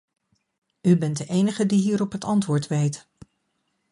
U bent de enige die hierop het antwoord weet.